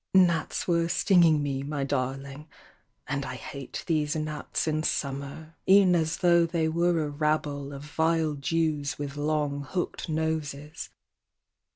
"Gnats were stinging me, my darling, And I hate these gnats in summer, E'en as though they were a rabble Of vile Jews with long, hooked noses."